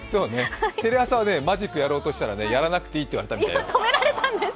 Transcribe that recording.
テレ朝はマジックやろうとしたらやらなくていいと止められたんだよ。